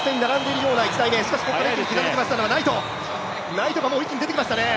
ナイトが一気に出てきましたね。